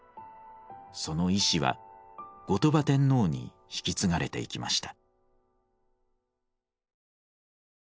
その遺志は後鳥羽天皇に引き継がれていきました。